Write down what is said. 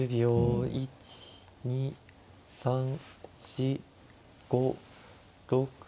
１２３４５６７８。